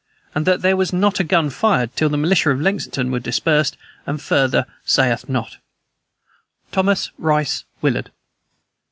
and that there was not a gun fired till the militia of Lexington were dispersed. And further saith not. "THOMAS RICE WILLARD."